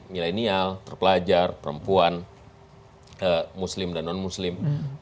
milenial terpelajar perempuan muslim dan non muslim